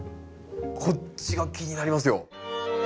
こっちが気になりますよ。